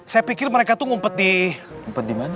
saya pikir mereka tuh ngumpet di